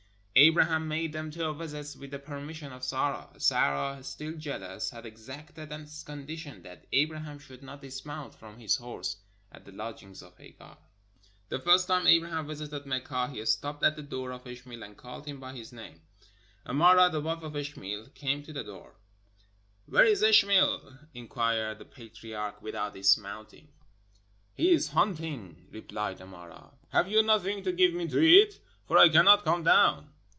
Abraham made them two visits with the permission of Sarah. Sarah, still jealous, had exacted as condition that Abraham should not dismount from his horse at the lodgings of Hagar. The first time Abraham visited Mecca he stopped at the door of Ishmael and called him by his name. Amara, the wife of Ishmael, came to the door. "Where is Ish mael?" inquired the patriarch without dismounting. "He is hunting," replied Amara. "Have you nothing to give me to eat? for I cannot come down."